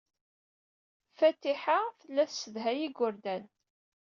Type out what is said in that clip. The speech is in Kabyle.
Fatiḥa tella yessedhay igerdan.